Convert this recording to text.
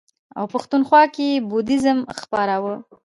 او پښتونخوا کې یې بودیزم خپراوه.